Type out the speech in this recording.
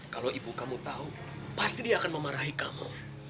kalau ibu kamu tahu pasti dia akan memarahi kamu